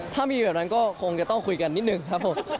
ถ้ามีแบบนั้นก็คงจะต้องคุยกันนิดนึงครับผม